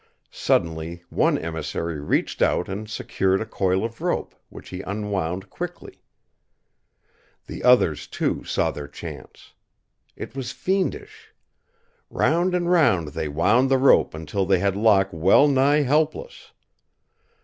Suddenly one emissary reached out and secured a coil of rope, which he unwound quickly. The others, too, saw their chance. It was fiendish. Round and round they wound the rope until they had Locke well nigh helpless.